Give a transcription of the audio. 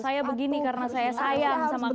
atau saya begini karena saya sayang sama kamu gitu